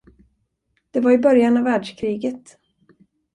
Det var i början av världskriget.